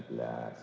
oke terima kasih